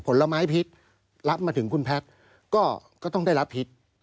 ผลไม้พิษรับมาถึงคุณแพทย์ก็ต้องได้รับพิษ